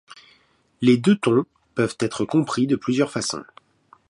Les deux tons peuvent être compris de plusieurs façons.